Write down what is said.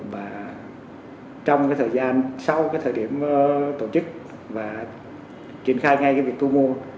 và trong thời gian sau thời điểm tổ chức và triển khai ngay việc thu mua